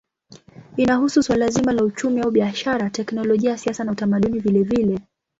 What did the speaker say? Inahusu suala zima la uchumi au biashara, teknolojia, siasa na utamaduni vilevile.